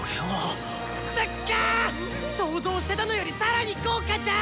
想像してたのより更に豪華じゃん！